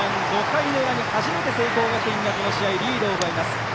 ５回の裏に初めて聖光学院がこの試合、リードを奪います。